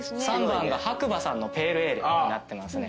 ３番がＨＡＫＵＢＡさんのペールエールになってますね。